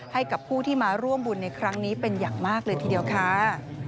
ให้กับผู้ที่มาร่วมบุญในครั้งนี้เป็นอย่างมากเลยทีเดียวค่ะ